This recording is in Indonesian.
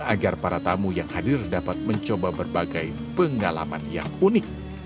agar para tamu yang hadir dapat mencoba berbagai pengalaman yang unik